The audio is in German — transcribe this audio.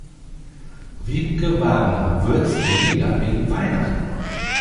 Wiebke Wagner würzt weniger wegen Weihnachten.